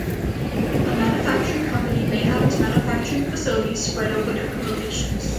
A manufacturing company may have its manufacturing facilities spread over different locations.